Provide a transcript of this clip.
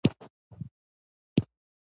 طغرا خط، د خط یو ډول دﺉ.